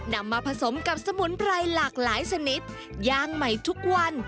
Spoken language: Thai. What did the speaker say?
นำมาผสมกับสมุนไพรหลากหลายชนิดย่างใหม่ทุกวัน